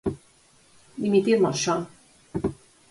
–Dimitirmos, Xoán.